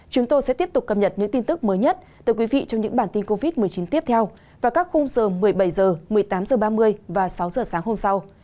chúng tôi sẽ tiếp tục cập nhật những tin tức mới nhất từ quý vị trong những bản tin covid một mươi chín tiếp theo vào các khung giờ một mươi bảy h một mươi tám h ba mươi và sáu h sáng hôm sau